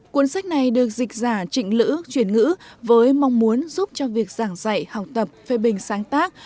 cuốn sách này được dịch giả trịnh lữ chuyển ngữ với mong muốn giúp cho việc giảng dạy học tập phê bình sáng tác